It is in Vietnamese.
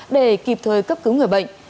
để kịp thời cấp cứu người bệnh